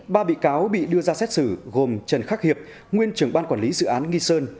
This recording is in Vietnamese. ba bị cáo bị đưa ra xét xử gồm trần khắc hiệp nguyên trưởng ban quản lý dự án nghi sơn